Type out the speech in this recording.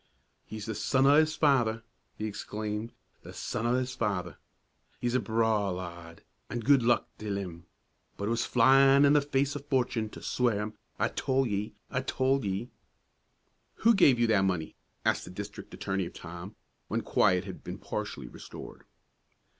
"He's the son o' his father!" he exclaimed; "the son o' his father! He's a braw lad, an' good luck till him, but it was flyin' i' the face o' fortune to swear him. I told ye! I told ye!" "Who gave you that money?" asked the district attorney of Tom, when quiet had been partially restored.